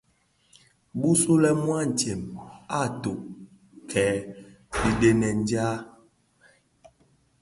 Bisulè antsem a tokkè dhidenèn dja.